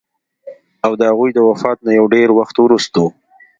او د هغوي د وفات نه يو ډېر وخت وروستو